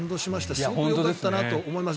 すごくよかったなと思います。